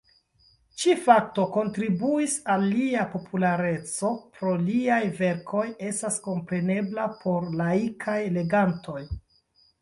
Ĉi-fakto kontribuis al lia populareco pro liaj verkoj estas komprenebla por laikaj legantoj.